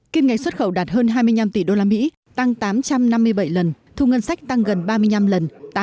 kiếm ngành xuất khẩu đạt hơn hai mươi năm tỷ đô la mỹ tăng tám trăm năm mươi bảy lần thu ngân sách tăng gần ba mươi năm lần